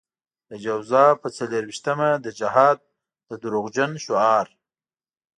د جوزا په څلور وېشتمه د جهاد د دروغجن شعار.